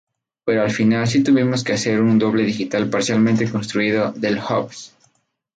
Pero al final sí tuvimos que hacer un doble digital parcialmente construido del Hoff.